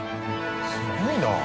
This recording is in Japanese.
すごいな。